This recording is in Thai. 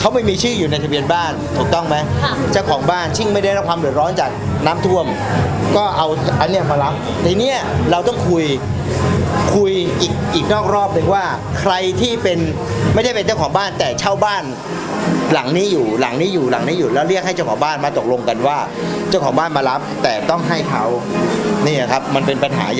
เขาไม่มีชื่ออยู่ในทะเบียนบ้านถูกต้องไหมค่ะเจ้าของบ้านซึ่งไม่ได้รับความเดือดร้อนจากน้ำท่วมก็เอาอันเนี้ยมารับทีเนี้ยเราต้องคุยคุยอีกอีกนอกรอบนึงว่าใครที่เป็นไม่ได้เป็นเจ้าของบ้านแต่เช่าบ้านหลังนี้อยู่หลังนี้อยู่หลังนี้อยู่แล้วเรียกให้เจ้าของบ้านมาตกลงกันว่าเจ้าของบ้านมารับแต่ต้องให้เขาเนี่ยครับมันเป็นปัญหา